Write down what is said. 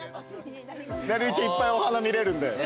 『なりゆき』いっぱいお花見れるんで。